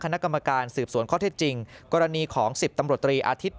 คณะกรรมการสืบสวนข้อเท็จจริงกรณีของ๑๐ตำรวจตรีอาทิตย์